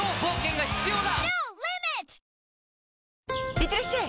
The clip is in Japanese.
いってらっしゃい！